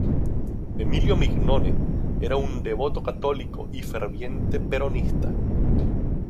Emilio Mignone era un devoto católico y ferviente peronista.